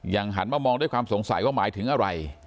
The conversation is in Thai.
หันมามองด้วยความสงสัยว่าหมายถึงอะไร